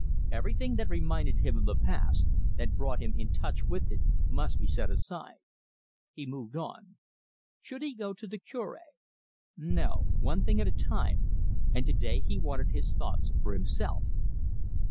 Everything that reminded him of the past, that brought him in touch with it, must be set aside. He moved on. Should he go to the Cure? No; one thing at a time, and today he wanted his thoughts for himself.